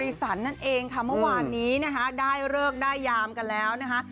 สันนั่นเองค่ะเมื่อวานนี้นะคะได้เลิกได้ยามกันแล้วนะคะ